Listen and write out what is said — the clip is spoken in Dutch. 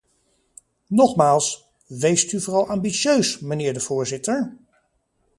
Nogmaals: weest u vooral ambitieus, mijnheer de voorzitter!